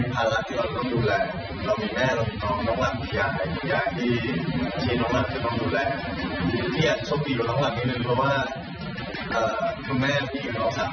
พี่ก็อยากไปฟังใจให้ข้อแรกนะครับ